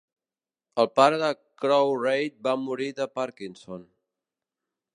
El pare de Cochrane va morir de Parkinson.